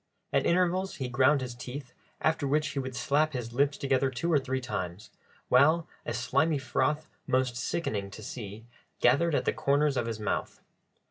At intervals he ground his teeth, after which he would slap his lips together two or three times, while a slimy froth, most sickening to see, gathered at the corners of his mouth.